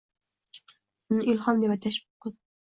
Buni ilhom deb atash mumkin